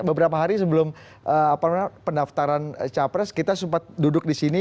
beberapa hari sebelum pendaftaran capres kita sempat duduk di sini